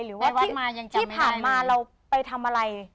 หรือว่าที่ผ่านมาเราไปทำอะไร